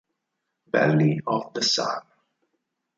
Belly of the Sun